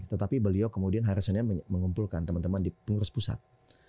tetapi beliau kemudian hari senin mengumpulkan teman teman di pengurus pusat